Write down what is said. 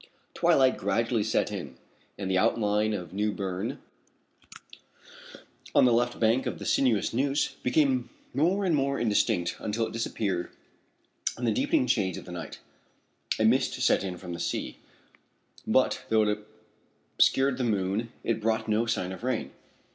Twilight gradually set in, and the outline of New Berne on the left bank of the sinuous Neuse became more and more indistinct until it disappeared in the deepening shades of night. A mist set in from the sea, but though it obscured the moon it brought no sign of rain.